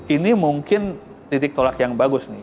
ini mungkin titik tolak yang bagus nih